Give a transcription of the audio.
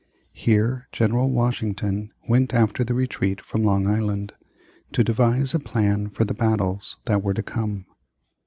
Here General Washington went after the retreat from Long Island, to devise a plan for the battles that were to come.